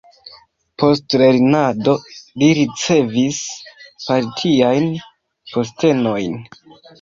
Post lernado li ricevis partiajn postenojn.